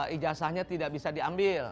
ijazahnya tidak bisa diambil